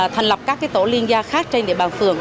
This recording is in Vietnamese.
thành lập các tổ liên gia khác trên địa bàn phường